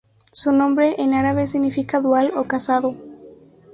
Su nombre en árabe significa dual o casado.